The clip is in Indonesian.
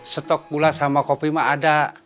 stok gula sama kopi mah ada